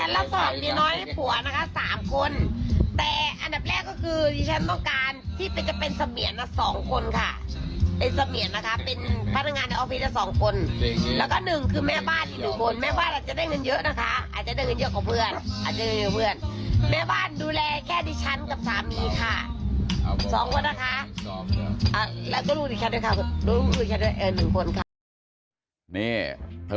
แล้วก็ดูดิฉันด้วยครับดูดิฉันด้วย๑คนครับ